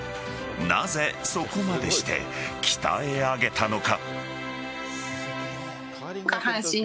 なぜ、そこまでして鍛え上げたのか。